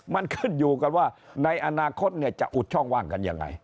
มันขึ้นอยู่กันว่าในอนาคตจะอุดช่องว่างกันยังไง